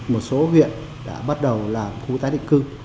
một số huyện đã bắt đầu làm khu tái định cư